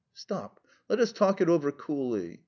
"Stop; let us talk it over coolly.